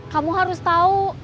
kamu harus tahu